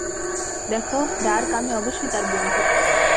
দেখো, ডার্ক, আমি অবশ্যই তার বন্ধু।